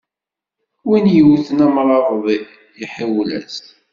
Win yewten amrabeḍ iḥiwel-as.